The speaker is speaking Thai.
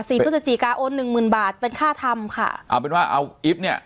พฤศจิกาโอนหนึ่งหมื่นบาทเป็นค่าทำค่ะเอาเป็นว่าเอาอิ๊บเนี้ย